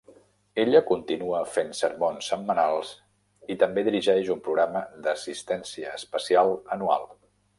Ella continua fent sermons setmanals i també dirigeix un programa d'assistència especial anual.